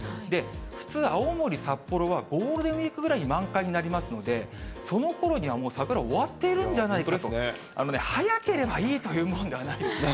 普通、青森、札幌はゴールデンウィークぐらいに満開になりますので、そのころにはもう桜、終わっているんじゃないかと、早ければいいというものではないですね。